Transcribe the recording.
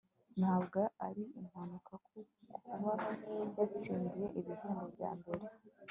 Ntabwo ari impanuka kuba yatsindiye igihembo cya mbere